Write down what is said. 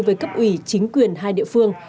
với cấp ủy chính quyền hai địa phương